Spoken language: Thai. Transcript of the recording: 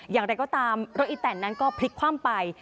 อย่างใดก็ตามรถเอกนั้นก็พลิกข้ามไป